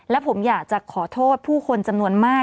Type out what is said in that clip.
และผมอยากจะขอโทษผู้คนจำนวนมาก